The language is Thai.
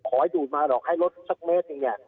ขอให้ดูดมาหรอกให้ลดสักเมตรอย่างนี้